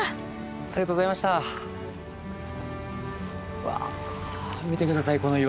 うわ見て下さいこの岩。